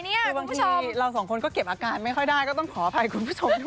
คือบางทีเราสองคนก็เก็บอาการไม่ค่อยได้ก็ต้องขออภัยคุณผู้ชมด้วย